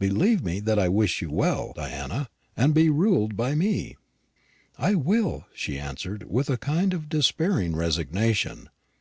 Believe me that I wish you well, Diana, and be ruled by me." "I will," she answered, with a kind of despairing resignation.